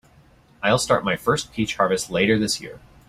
I'll start my first peach harvest later this year.